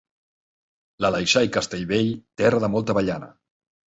L'Aleixar i Castellvell, terra de molta avellana.